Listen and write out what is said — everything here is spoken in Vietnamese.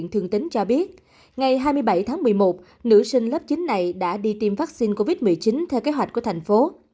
ngày hai mươi bảy tháng một mươi một nữ sinh lớp chín này đã đi tiêm vaccine covid một mươi chín theo kế hoạch của thành phố